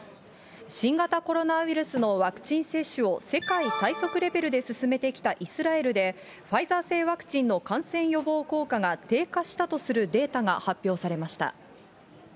新型コロナウイルスのワクチン接種を世界最速レベルで進めてきたイスラエルで、ファイザー製ワクチンの感染予防効果が低下したとするデータが発表されました。